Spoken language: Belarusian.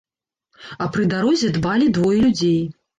А пры дарозе дбалі двое людзей.